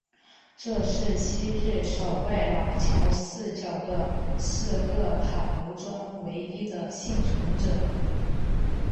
这是昔日守卫老桥四角的四个塔楼中唯一的幸存者。